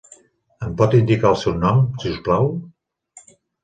Em pot indicar el seu nom, si us plau?